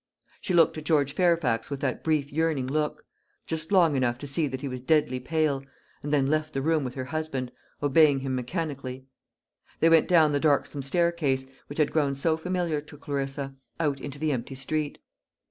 She looked at George Fairfax with that brief yearning look, just long enough to see that he was deadly pale; and then left the room with her husband, obeying him mechanically They went down the darksome staircase, which had grown so familiar to Clarissa, out into the empty street.